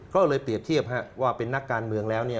ก็เลยเปรียบเทียบว่าเป็นนักการเมืองแล้วเนี่ย